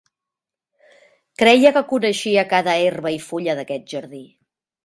Creia que coneixia cada herba i fulla d'aquest jardí.